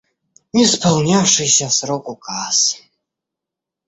Исполнявшийся в срок указ